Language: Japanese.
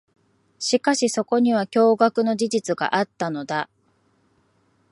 しかし、そこには驚愕の真実があったのだ。